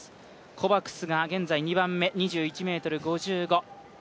コバクスが現在２番目、２１ｍ５５。